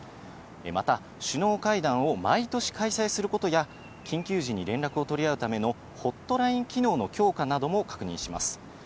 また首脳会談を毎年開催することや、緊急時に連絡を取り合うためのホットライン機能の強化なども確認します。